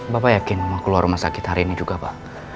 bapak yakin mau keluar rumah sakit hari ini juga pak